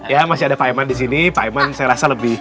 ya masih ada pak eman disini pak eman saya rasa lebih